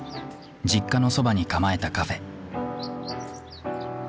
実家のそばに構えたカフェ。